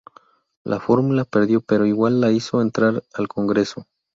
La fórmula perdió pero igual la hizo entrar al Congreso.